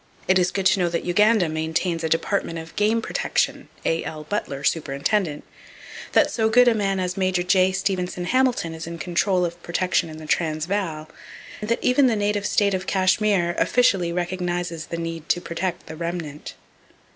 It is good to know that Uganda maintains a Department of Game Protection (A.L. Butler, Superintendent), that so good a man as Maj. J. Stevenson Hamilton is in control of protection in the Transvaal, and that even the native State of Kashmir officially recognizes the need to protect the Remnant.